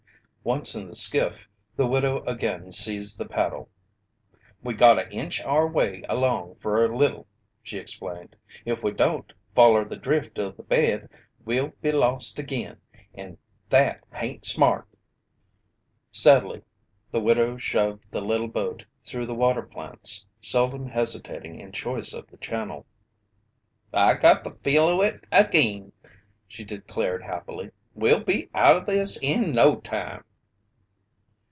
Once in the skiff, the widow again seized the paddle. "We gotta inch our way along fer a little," she explained. "If we don't foller the drift o' the bed, we'll be lost agin and that hain't smart." Steadily the widow shoved the little boat through the water plants, seldom hesitating in choice of the channel. "I got the feel o' it agin!" she declared happily. "We'll be out o' this in no time!"